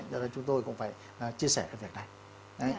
do đó chúng tôi cũng phải chia sẻ việc này